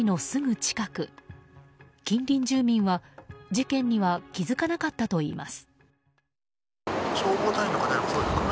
近隣住民は、事件には気付かなかったといいます。